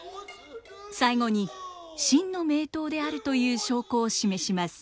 最後に真の名刀であるという証拠を示します。